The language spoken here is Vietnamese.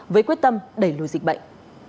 với quyết tâm đẩy lùi dịch bệnh